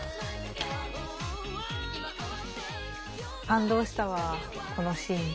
感動したわこのシーン。